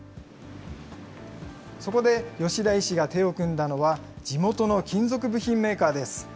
そこで吉田医師が手を組んだのは、地元の金属部品メーカーです。